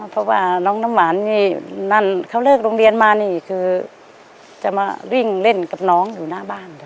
เพราะว่าน้องน้ำหวานนี่นั่นเขาเลิกโรงเรียนมานี่คือจะมาวิ่งเล่นกับน้องอยู่หน้าบ้าน